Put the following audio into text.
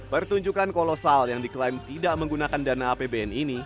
pertunjukan kolosal yang diklaim tidak menggunakan dana apbn ini